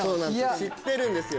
知ってるんですよ。